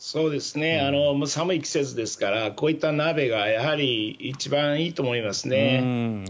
寒い季節ですからこういった鍋が一番いいと思いますね。